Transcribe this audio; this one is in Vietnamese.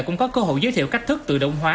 cũng có cơ hội giới thiệu cách thức tự động hóa